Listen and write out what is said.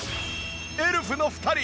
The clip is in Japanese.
エルフの２人！